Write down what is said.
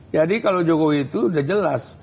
kalau jokowi itu sudah jelas